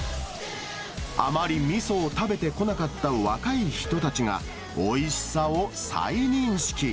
あまりみそを食べてこなかった若い人たちが、おいしさを再認識。